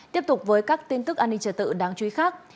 tiếp tục với các tin tức an ninh trở tự đáng chú ý khác